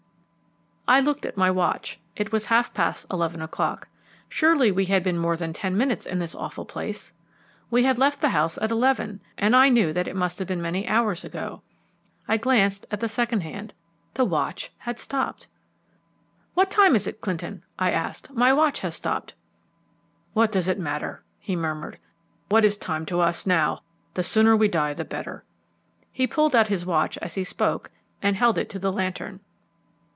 I looked at my watch. It was half past eleven o'clock. Surely we had been more than ten minutes in this awful place! We had left the house at eleven, and I knew that must have been many hours ago. I glanced at the second hand. The watch had stopped. "What is the time, Clinton?" I asked. "My watch has stopped." "What does it matter?" he murmured. "What is time to us now? The sooner we die the better." He pulled out his watch as he spoke, and held it to the lantern.